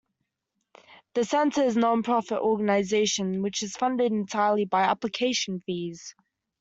The Centre is a non-profit organisation which is funded entirely by application fees.